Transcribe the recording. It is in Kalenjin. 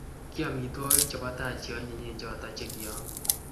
ki amitwogik chebo tai cheonyinyen choto chikyaame